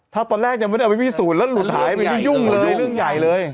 ถ้าตอนแรกยังไม่ได้เอาไปพิสูจน์แล้วหลุดหายไปนี่ยุ่งเลยเรื่องใหญ่เลย